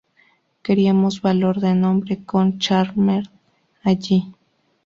Queríamos valor de nombre con "Charmed" alli.